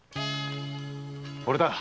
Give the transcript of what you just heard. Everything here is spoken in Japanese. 俺だ。